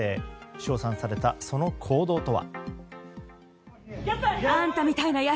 賞賛された、その行動とは。